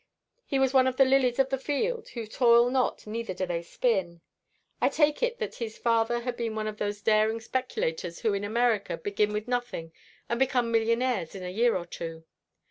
He was one of the lilies of the field, who toil not, neither do they spin. I take it that his father had been one of those daring speculators who in America begin with nothing and become millionaires in a year or two.